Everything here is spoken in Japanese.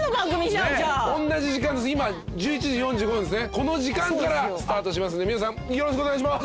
この時間からスタートしますんで皆さんよろしくお願いします。